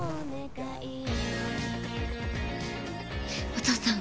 お父さん。